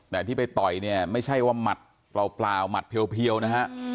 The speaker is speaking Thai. แต่ที่ไปต่อยเนี่ยไม่ใช่ว่าหมัดเปล่าหมัดเพียวนะฮะ